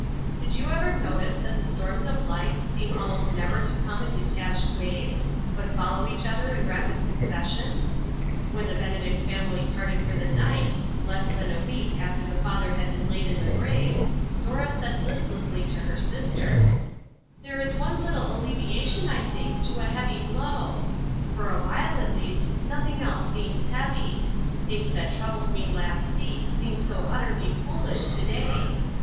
Did you ever notice that the storms of life seem almost never to come in detached waves, but follow each other in rapid succession? When the Benedict family parted for the night, less than a week after the father had been laid in the grave, Dora said listlessly to her sister :" There is one little alleviation, I think, to a heavy blow for a while, at least, nothing else seems heavy. Things that troubled me last week seem so utterly foolish to day.